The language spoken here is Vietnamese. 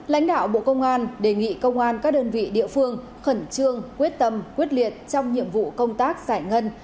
lãnh đạo bộ công an đề nghị công an các đơn vị địa phương khẩn trương quyết tâm quyết liệt trong nhiệm vụ công tác giải ngân